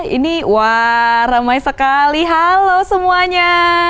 ini wah ramai sekali halo semuanya